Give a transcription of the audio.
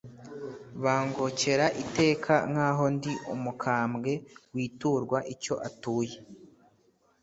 Bangokera iteka Nk’aho ndi umukambwe Witurwa icyo atuye